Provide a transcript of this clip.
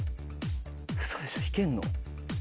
ウソでしょいけんの？